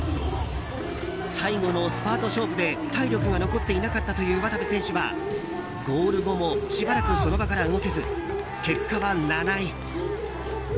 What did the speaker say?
最後のスパート勝負で体力が残っていなかったという渡部選手は、ゴール後もしばらくその場から動けず結果は７位。